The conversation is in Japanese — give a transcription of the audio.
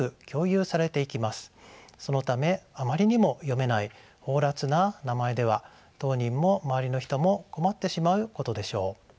そのためあまりにも読めない放らつな名前では当人も周りの人も困ってしまうことでしょう。